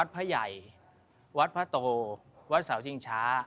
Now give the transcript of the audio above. พระใหญ่วัดพระโตวัดเสาชิงช้า